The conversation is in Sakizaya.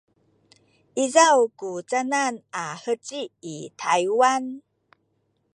izaw ku canan a heci i Taywan?